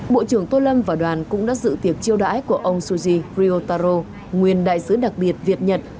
bộ trưởng tô lâm và đoàn cũng đã dự tiệc chiêu đãi của ông suji kriotaro nguyên đại sứ đặc biệt việt nhật